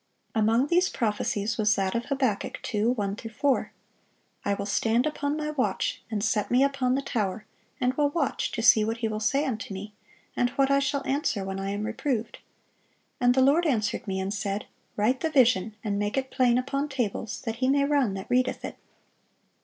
Among these prophecies was that of Hab. 2:1 4: "I will stand upon my watch, and set me upon the tower, and will watch to see what He will say unto me, and what I shall answer when I am reproved. And the Lord answered me, and said, Write the vision, and make it plain upon tables, that he may run that readeth it.